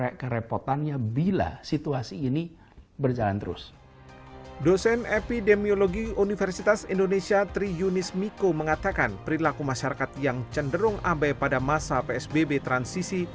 dosen epidemiologi universitas indonesia tri yunis miko mengatakan perilaku masyarakat yang cenderung abai pada masa psbb transisi